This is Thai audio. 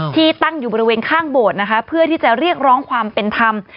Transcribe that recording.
ที่ตั้งอยู่บริเวณข้างโบสถ์นะคะเพื่อที่จะเรียกร้องความเป็นธรรม